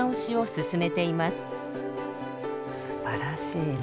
すばらしいね。